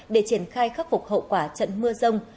để triển khai khắc phục hậu quả trận mưa rông